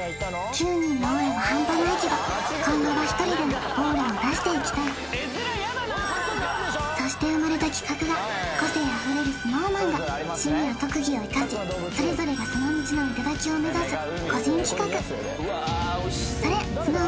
９人のオーラはハンパないけど今後は１人でもオーラを出していきたいそして生まれた企画が個性あふれるＳｎｏｗＭａｎが趣味や特技を生かしそれぞれがその道の頂を目指す個人企画！